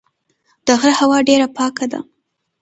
د غره هوا ډېره پاکه ده.